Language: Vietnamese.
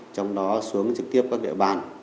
trong đó xuống trực tiếp các địa bàn